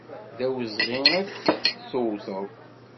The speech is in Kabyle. D awezɣi ad t-tewteḍ.